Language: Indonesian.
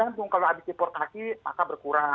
tergantung kalau habis deportasi maka berkurang